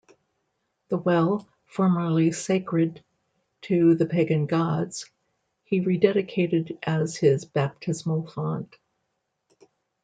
The well, formerly sacred to the pagan gods, he re-dedicated as his baptismal font.